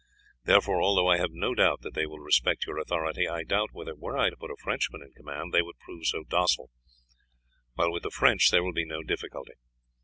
Therefore, although I have no doubt that they will respect your authority, I doubt whether, were I to put a Frenchman in command, they would prove so docile, while with the French there will be no difficulty.